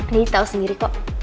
daddy tau sendiri kok